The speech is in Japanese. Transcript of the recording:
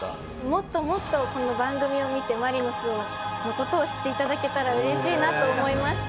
もっともっとこの番組を見てマリノスの事を知って頂けたら嬉しいなと思いました。